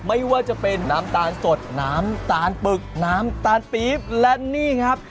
ไม่ว่าจะเป็นน้ำตาลสดน้ำตาลปึกน้ำตาลปี๊บและนี่ครับ